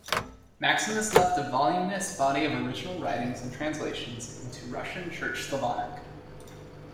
Maximus left a voluminous body of original writings and translations into Russian Church Slavonic.